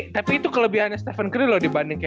tapi itu kelebihannya stephen curry loh dibanding